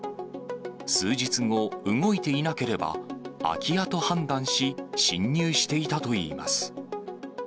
数日後、動いていなければ空き家と判断し、侵入していたといいます。